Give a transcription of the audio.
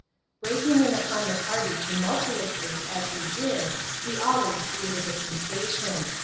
Breaking in upon the party tumultuously, as we did, we always created a sensation.